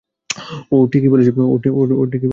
ও ঠিকই বলেছে, তুমি প্রতিভাবান।